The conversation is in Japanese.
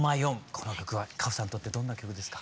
この曲は歌穂さんにとってどんな曲ですか？